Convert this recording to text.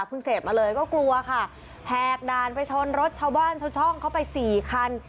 เสพมาเลยก็กลัวค่ะแหกด่านไปชนรถชาวบ้านชาวช่องเข้าไปสี่คัน